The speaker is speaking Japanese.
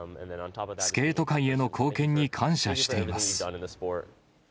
スケート界への貢献に感謝しています。